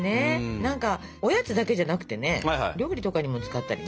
何かおやつだけじゃなくてね料理とかにも使ったりね。